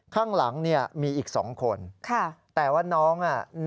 ข้างหลังมีอีก๒คน